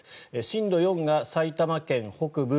震度４が埼玉県北部